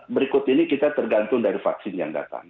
berikut ini kita tergantung dari vaksin yang datang